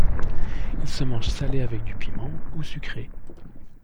Il se mange salé avec du piment, ou sucré.